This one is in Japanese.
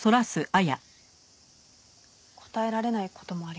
答えられない事もあります。